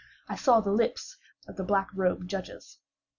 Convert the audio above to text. I saw the lips of the black robed judges.